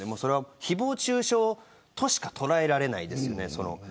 誹謗中傷としか捉えられませんよね。